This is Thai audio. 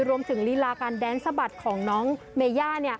ลีลาการแดนสะบัดของน้องเมย่า